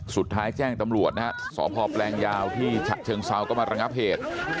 สุดท้ายแจ้งตำรวจนะฮะสอบพอบแรงยาวที่เชิงเซาก็มาระงับเหตุ